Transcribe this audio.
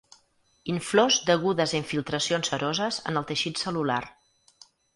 Inflors degudes a infiltracions seroses en el teixit cel·lular.